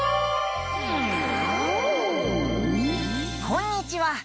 こんにちは。